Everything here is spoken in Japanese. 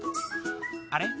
あれ？